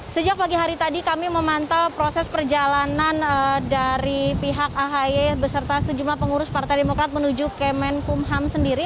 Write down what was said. sejak pagi hari tadi kami memantau proses perjalanan dari pihak ahy beserta sejumlah pengurus partai demokrat menuju kemenkumham sendiri